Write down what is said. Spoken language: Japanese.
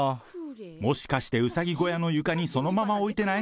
もしかして、うさぎ小屋の床にそのまま置いてない？